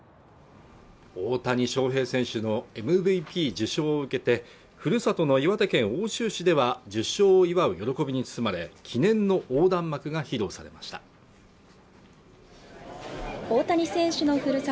大谷翔平選手のＭＶＰ受賞を受けて故郷の岩手県奥州市では受賞を祝う喜びに包まれ記念の横断幕が披露されました大谷選手の故郷